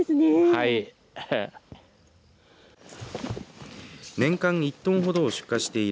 はい。